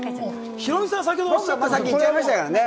ヒロミさん、先ほどおっしゃいましたね。